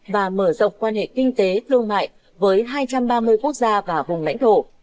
và mở rộng quan hệ kinh tế thương mại với hai trăm ba mươi quốc gia và vùng lãnh thổ